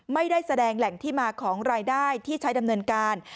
ไม่ได้แสดงแหล่งที่มาของรายได้ที่ใช้ดำเนินการ